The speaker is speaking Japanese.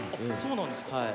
そうなんですか。